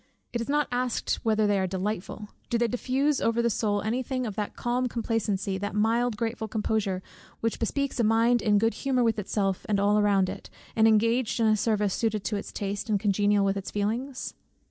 it is not asked whether they are delightful. Do they diffuse over the soul any thing of that calm complacency, that mild and grateful composure, which bespeaks a mind in good humour with itself and all around it, and engaged in a service suited to its taste, and congenial with its feelings?